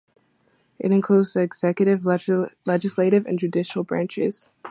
It includes the executive, legislative, and judicial branches.